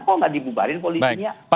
kok nggak dibubarin polisinya